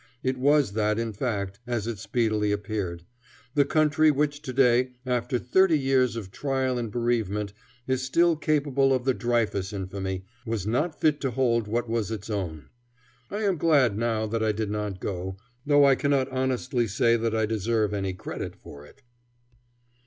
It was that in fact, as it speedily appeared. The country which to day, after thirty years of trial and bereavement, is still capable of the Dreyfus infamy, was not fit to hold what was its own. I am glad now that I did not go, though I cannot honestly say that I deserve any credit for it.